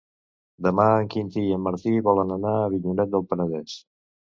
Demà en Quintí i en Martí volen anar a Avinyonet del Penedès.